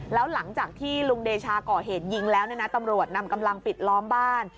แล้วหลังจากที่ลุงเดชาก่อเหตุยิงแล้วตำรวจนำกำลังปิดล้อมบ้าน